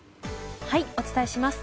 お伝えします。